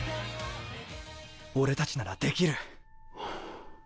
俺たちならできる。